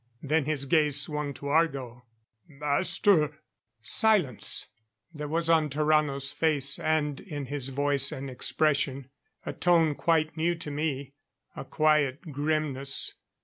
Then his gaze swung to Argo. "Master " "Silence!" There was on Tarrano's face and in his voice an expression, a tone quite new to me. A quiet grimness.